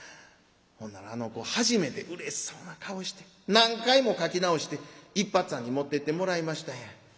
ほんならあの子初めてうれしそうな顔して何回も書き直していっぱっつぁんに持ってってもらいましたんや。